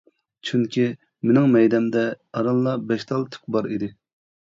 چۈنكى مېنىڭ مەيدەمدە ئارانلا بەش تال تۈك بار ئىدى.